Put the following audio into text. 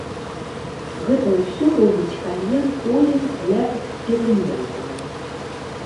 Гэта ўсё робіць кальян полем для эксперыментаў.